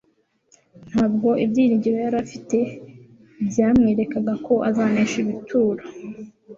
Ntabwo ibyiringiro yari afite byamwerekaga ko azanesha ibituro-